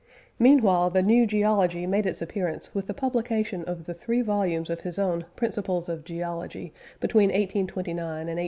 Meanwhile the new geology made its appearance with the publication of the three volumes of his own Principles of Geology, between 1829 and 1833.